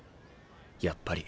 やっぱり。